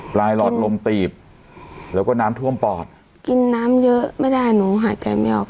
หลอดลมตีบแล้วก็น้ำท่วมปอดกินน้ำเยอะไม่ได้หนูหายใจไม่ออก